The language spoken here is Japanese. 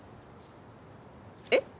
えっ？